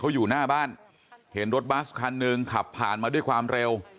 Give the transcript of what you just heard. เขาอยู่หน้าบ้านเห็นรถบัสคันหนึ่งขับผ่านมาด้วยความเร็ว